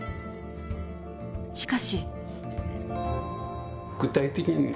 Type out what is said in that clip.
しかし。